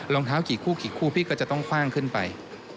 รองเท้ากี่คู่กี่คู่พี่ก็จะต้องคว่างขึ้นไป